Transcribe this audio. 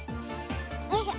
よいしょ。